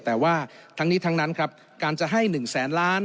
แต่ว่าทั้งนี้ทั้งนั้นครับการจะให้๑แสนล้าน